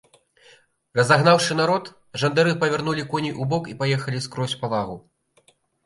Разагнаўшы народ, жандары павярнулі коней убок і паехалі скрозь па лагу.